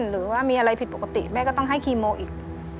หรือว่ามีอะไรผิดปกติแม่ก็ต้องให้คีโมอีก